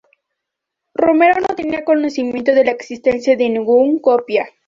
Romero no tenía conocimiento de la existencia de ninguna copia.